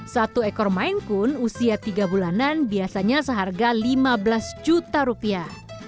satu ekor mainkun usia tiga bulanan biasanya seharga lima belas juta rupiah